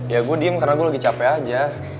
ya gue diem karena gue lagi capek aja